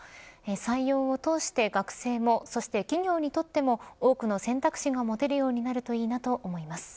採用を通して学生もそして企業にとっても多くの選択肢が持てるようになるといいなと思います。